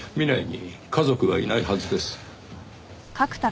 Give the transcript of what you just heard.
南井に家族はいないはずです。